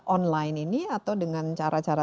online ini atau dengan cara cara